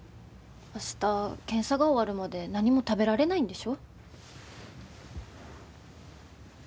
明日検査が終わるまで何も食べられないんでしょ？